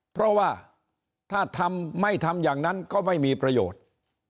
เพราะว่าถ้าทำไม่ทำอย่างนั้นก็ไม่มีประโยชน์